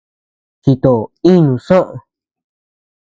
Chitó inu soʼö.